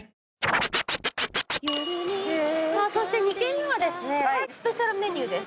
そして２軒目はですねスペシャルメニューです。